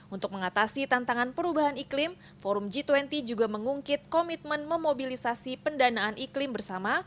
untuk mengatasi tantangan perubahan iklim forum g dua puluh juga mengungkit komitmen memobilisasi pendanaan iklim bersama